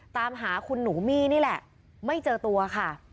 ตามหาคุณหนูมี่นี่แหละไม่เจอตัวค่ะ